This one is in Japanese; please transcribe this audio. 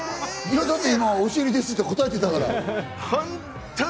だって今お尻ですって答えてたから。